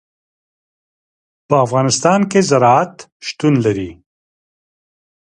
په افغانستان کې زراعت شتون لري.